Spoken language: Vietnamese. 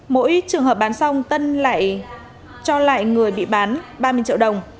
mỗi trường hợp bán xong tân lại cho lại người bị bán ba mươi triệu đồng